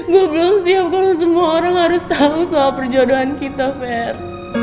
gue bilang siap kalau semua orang harus tahu soal perjodohan kita ver